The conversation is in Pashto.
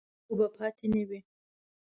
څوک خو به پاتې نه وي.